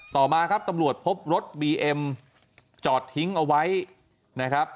ต่อมาครับตำรวจพบรถบีเอ็มจอดทิ้งเอาไว้นะครับ